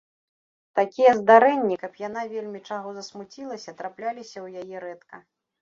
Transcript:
Такія здарэнні, каб яна вельмі чаго засмуцілася, трапляліся ў яе рэдка.